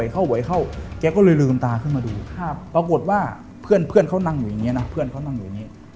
แจ๊กก็เลยลืมตาขึ้นมาดูปรากฏว่าเพื่อนเขานั่งอยู่อย่างนี้นะ